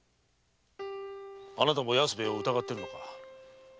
あなたも安兵衛を疑ってるのか？